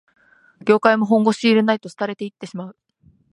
業界も本腰入れないと廃れていってしまう